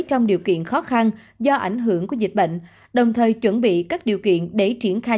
trong điều kiện khó khăn do ảnh hưởng của dịch bệnh đồng thời chuẩn bị các điều kiện để triển khai